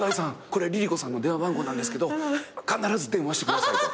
これＬｉＬｉＣｏさんの電話番号なんですけど必ず電話してください」と。